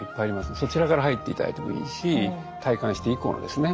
そちらから入って頂いてもいいし退官して以降のですね